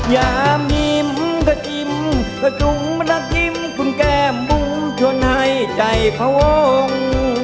อย่ามิมกระจิ้มกระจุมระจิ้มคุณแก้มมุชวนให้ใจพะวง